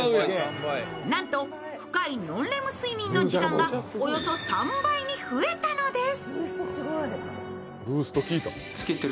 なんと深いノンレム睡眠の時間がおよそ３倍に増えたんです。